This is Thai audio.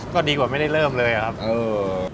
ก็ดีกว่าไม่ได้เริ่มเลยครับเออ